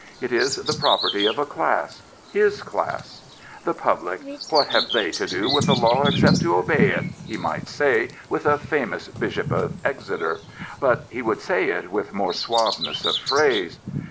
It is the property of a class — his class. " The public! What have they to do with the law except obey it ?" he might say with a famous Bishop of Exeter; but he would say it with more suaveness of phrase.